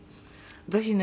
「私ね